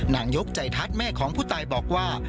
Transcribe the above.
นายกใจทัศน์แม่ของผู้ตายบอกว่า